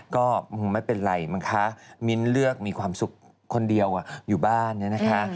ก็ไม่เป็นไรมั้งคะมิ้นเลือกมีความสุขคนเดียวอยู่บ้านเนี่ยนะคะ